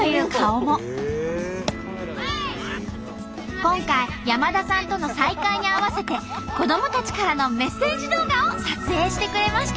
今回山田さんとの再会に合わせて子どもたちからのメッセージ動画を撮影してくれました。